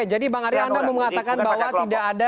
oke jadi bang arya anda mau mengatakan bahwa tidak ada